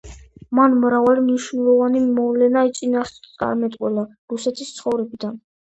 მან მრავალი მნიშვნელოვანი მოვლენა იწინასწარმეტყველა რუსეთის ცხოვრებიდან.